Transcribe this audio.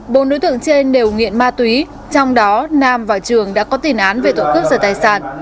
bốn đối tượng trên đều nghiện ma túy trong đó nam và trường đã có tiền án về tội cướp giật tài sản